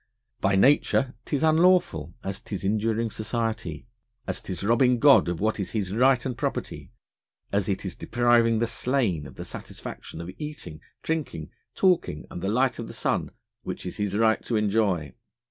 By Nature 'tis unlawful as 'tis injuring Society: as 'tis robbing God of what is His Right and Property; as 'tis depriving the Slain of the satisfaction of Eating, Drinking, Talking, and the Light of the Sun, which it is his right to enjoy.